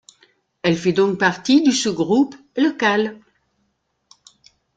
Elle fait donc partie du sous-groupe local.